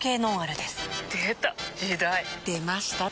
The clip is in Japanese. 出ました！